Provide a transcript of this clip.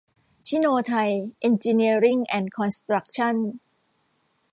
ซิโน-ไทย เอ็นจีเนียริ่งแอนด์คอนสตรัคชั่น